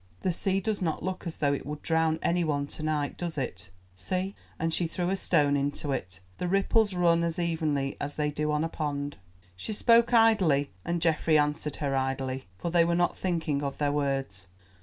The sea does not look as though it would drown any one to night, does it? See!"—and she threw a stone into it—"the ripples run as evenly as they do on a pond." She spoke idly and Geoffrey answered her idly, for they were not thinking of their words.